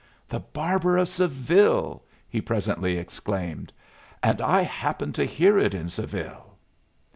"'The Barber of Seville!'" he presently exclaimed. "And I happened to hear it in Seville."